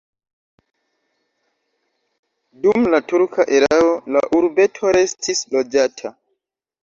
Dum la turka erao la urbeto restis loĝata.